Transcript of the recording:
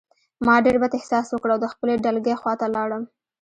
ما ډېر بد احساس وکړ او د خپلې ډلګۍ خواته لاړم